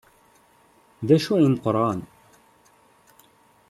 D acu i imeqqren?